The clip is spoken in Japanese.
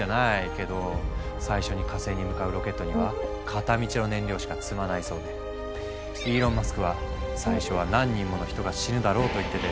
けど最初に火星に向かうロケットには片道の燃料しか積まないそうでイーロン・マスクはと言ってて。